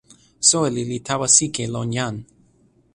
soweli li tawa sike lon jan.